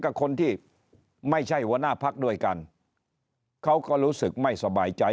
กับคนที่ไม่ใช่หัวหน้าพักด้วยกันเขาก็รู้สึกไม่สบายใจ